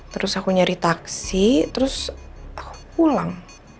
terus aku nyari taksi terus aku pulang